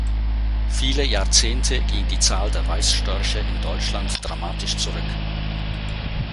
Viele Jahrzehnte ging die Zahl der Weißstörche in Deutschland dramatisch zurück.